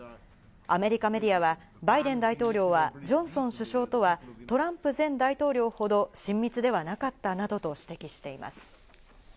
アメリカメディアはバイデン大統領はジョンソン首相とはトランプ前大統領ほど親密ではなかったなどと指摘しています。